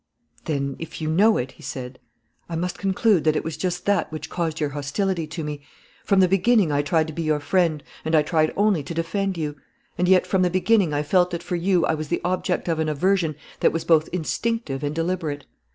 "Then, if you know it," he said, "I must conclude that it was just that which caused your hostility to me. From the beginning I tried to be your friend and I tried only to defend you. And yet from the beginning I felt that for you I was the object of an aversion that was both instinctive and deliberate.